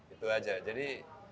itu aja jadi